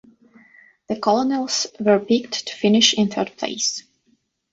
The Colonels were picked to finish in third place.